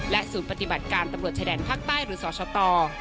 ศูนย์ปฏิบัติการตำรวจชายแดนภาคใต้หรือสสต